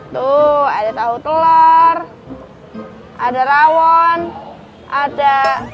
tuh ada tahu telur ada rawon ada